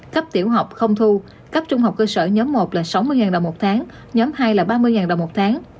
cấp tiểu học không thu cấp trung học cơ sở nhóm một là sáu mươi đồng một tháng nhóm hai là ba mươi đồng một tháng